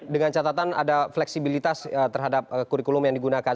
dengan catatan ada fleksibilitas terhadap kurikulum yang digunakan